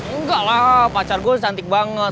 enggak lah pacar gue cantik banget